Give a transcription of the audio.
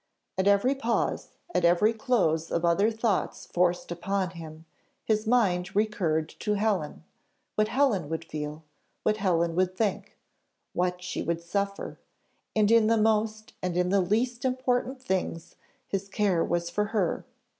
At every pause, at every close of other thoughts forced upon him, his mind recurred to Helen what Helen would feel what Helen would think what she would suffer and in the most and in the least important things his care was for her.